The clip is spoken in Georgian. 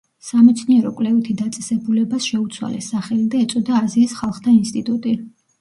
სამეცნიერო-კვლევითი დაწესებულებას შეუცვალეს სახელი და ეწოდა „აზიის ხალხთა ინსტიტუტი“.